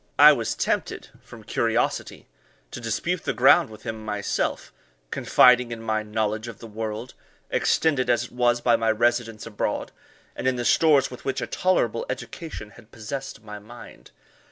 I was tempted, from curiosity, to dispute the ground with him myself, confiding in my knowledge of the world, extended as it was by my residence abroad, and in the stores with which a tolerable education had possessed my mind.